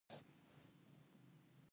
غزني د افغانستان د اجتماعي جوړښت برخه ده.